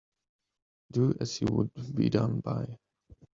Do as you would be done by.